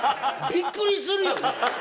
びっくりするよね。